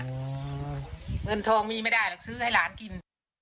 เงินทองมีไม่ได้หรอกซื้อให้หลานกิน